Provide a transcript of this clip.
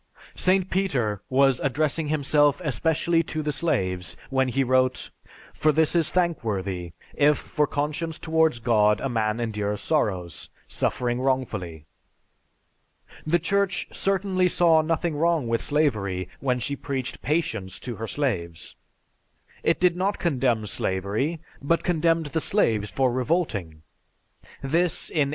St. Peter was addressing himself especially to the slaves when he wrote, "For this is thankworthy, if for conscience towards God a man endures sorrows, suffering wrongfully." The Church certainly saw nothing wrong with slavery when she preached patience to her slaves. It did not condemn slavery, but condemned the slaves for revolting. This in 1888!